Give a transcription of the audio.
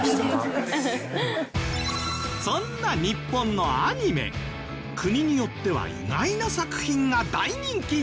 そんな日本のアニメ国によっては意外な作品が大人気って事も。